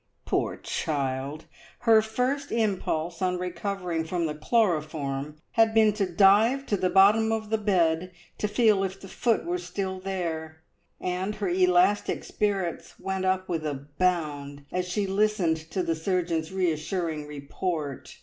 Poor child! her first impulse on recovering from the chloroform had been to dive to the bottom of the bed to feel if the foot were still there, and her elastic spirits went up with a bound as she listened to the surgeon's reassuring report.